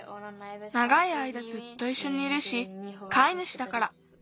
ながいあいだずっといっしょにいるしかいぬしだから。